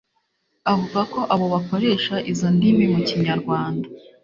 avuga ko abo bakoresha izo ndimi mu kinyarwanda